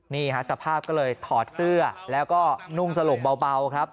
สภาพก็เลยถอดเสื้อแล้วก็นุ่งสลงเบาครับ